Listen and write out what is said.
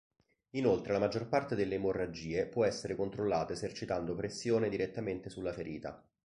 Inoltre la maggior parte delle emorragie può essere controllata esercitando pressione direttamente sulla ferita.